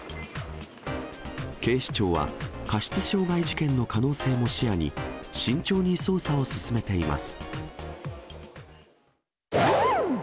警視庁は、過失傷害事件の可能性も視野に、慎重に捜査を進めています。